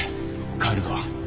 帰るぞ